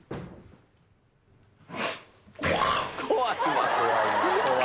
怖いわ。